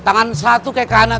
tangan satu kayak ke anak